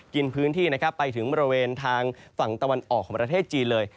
กินพื้นที่นะครับไปถึงบริเวณทางฝั่งตะวันออกของประเทศจีนเลย